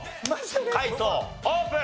解答オープン！